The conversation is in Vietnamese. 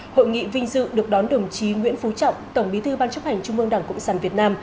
hội nghị vinh dự được đón đồng chí nguyễn phú trọng tổng bí thư ban chấp hành trung mương đảng cộng sản việt nam